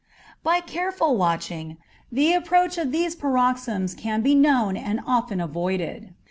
By careful watching, the approach of these paroxysms can be known and often avoided.